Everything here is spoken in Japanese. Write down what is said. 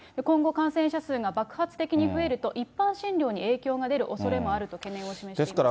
今後感染者数が爆発的に増えると、一般診療に影響が出るおそれもあると懸念を示しています。